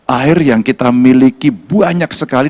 air yang kita miliki banyak sekali